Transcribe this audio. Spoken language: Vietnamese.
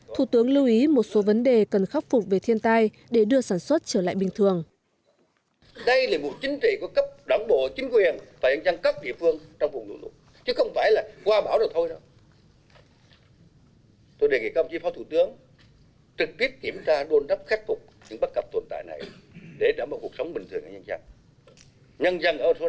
thủ tướng lưu ý một số vấn đề cần khắc phục về thiên tai để đưa sản xuất trở lại bình thường